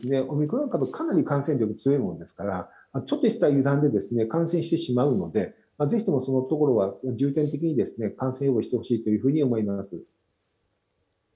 オミクロン株、かなり感染力が強いもんですから、ちょっとした油断で感染してしまうので、ぜひとも、そのところは重点的に、感染予防してほしいというふうに思います。